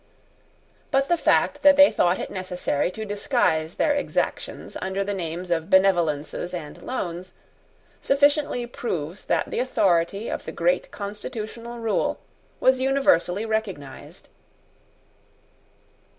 But the fact that they thought it necessary to disguise their exactions under the names of benevolences and loans sufficiently proves that the authority of the great constitutional rule was universally recognised.